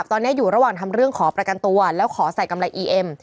ตอนนี้อยู่ระหว่างทำเรื่องขอประกันตัวแล้วขอใส่กำไรอีเอ็ม